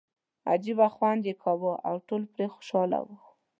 عجیبه خوند یې کاوه او ټول پرې خوشاله وو.